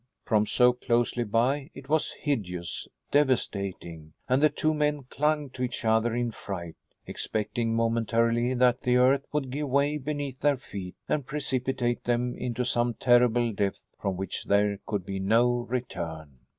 From so close by it was hideous, devastating; and the two men clung to each other in fright, expecting momentarily that the earth would give way beneath their feet and precipitate them into some terrible depth from which there could be no return.